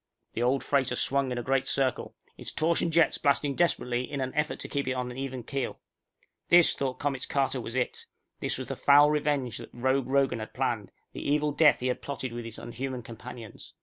_The old freighter swung a great circle, its torsion jets blasting desperately in an effort to keep it on an even keel. This, thought Comets Carter, was it. This was the foul revenge that Rogue Rogan had planned, the evil death he had plotted with his unhuman companions.